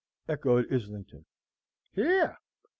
echoed Islington. "Here!